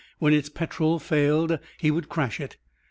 When its petrol failed, he would crash it.